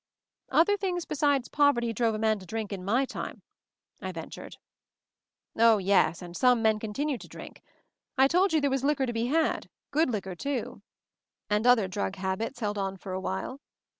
"Other things besides poverty drove a man to drink in my time," I ventured. "Oh, yes — and some men continued to drink. I told you there was liquor to be had — good liquor, too. And other drug habits held on for a while.